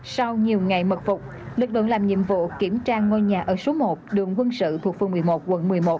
sau nhiều ngày mật phục lực lượng làm nhiệm vụ kiểm tra ngôi nhà ở số một đường quân sự thuộc phương một mươi một quận một mươi một